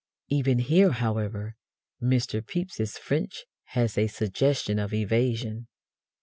Even here, however, Mr. Pepys's French has a suggestion of evasion.